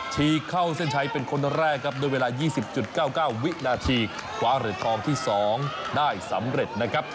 ีเข้าเส้นชัยเป็นคนแรกครับด้วยเวลา๒๐๙๙วินาทีคว้าเหรียญทองที่๒ได้สำเร็จนะครับ